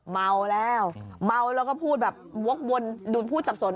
เมาแล้วเมาแล้วก็พูดแบบวกวนดูนพูดสับสน